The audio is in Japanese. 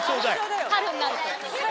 春になると。